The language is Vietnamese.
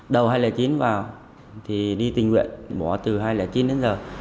đầu hai trăm linh chín vào thì đi tình nguyện bỏ từ hai trăm linh chín đến giờ